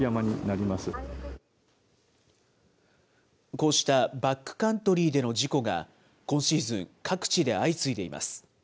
こうしたバックカントリーでの事故が、今シーズン、各地で相次いでいます。